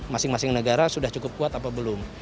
masing masing negara sudah cukup kuat apa belum